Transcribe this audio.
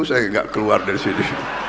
saya tidak keluar dari sini